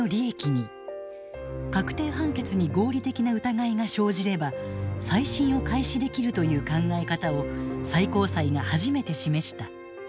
確定判決に合理的な疑いが生じれば再審を開始できるという考え方を最高裁が初めて示した。